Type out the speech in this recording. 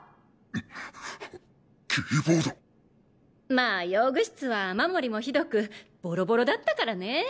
まぁ用具室は雨漏りもひどくボロボロだったからねぇ。